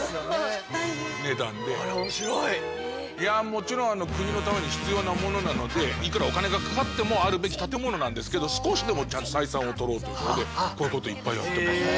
いやもちろん国のために必要なものなのでいくらお金がかかってもあるべき建物なんですけど少しでもちゃんと採算を取ろうということでこういうこといっぱいやってます。